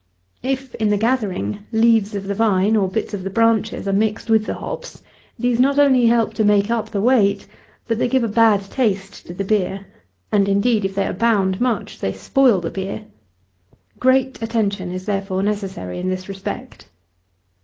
If, in the gathering, leaves of the vine or bits of the branches are mixed with the hops, these not only help to make up the weight, but they give a bad taste to the beer; and indeed, if they abound much, they spoil the beer. Great attention is therefore necessary in this respect.